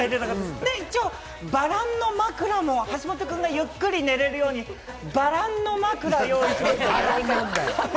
一応、バランの枕も橋本君がゆっくり眠れるように用意しました。